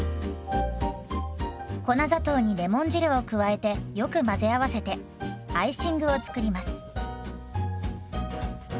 粉砂糖にレモン汁を加えてよく混ぜ合わせてアイシングを作ります。